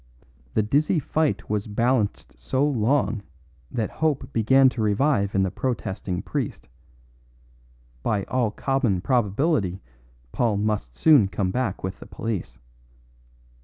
The dizzy fight was balanced so long that hope began to revive in the protesting priest; by all common probability Paul must soon come back with the police.